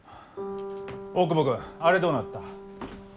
大窪君あれどうなった？